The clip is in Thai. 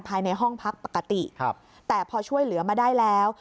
ภายในห้องพักปกติครับแต่พอช่วยเหลือมาได้แล้ว